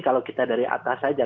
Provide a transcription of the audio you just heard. kalau kita dari atas saja